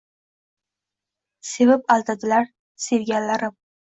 Sevib aldadilar sevganlarim